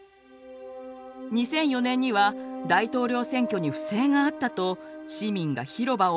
２００４年には大統領選挙に不正があったと市民が広場を埋めて抗議。